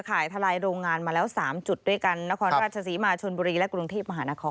ทลายโรงงานมาแล้ว๓จุดด้วยกันนครราชศรีมาชนบุรีและกรุงเทพมหานคร